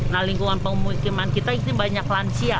nah lingkungan pemukiman kita ini banyak lansia